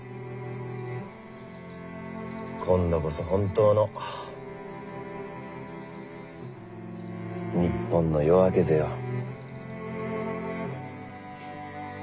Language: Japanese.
今度こそ本当の日本の夜明けぜよ。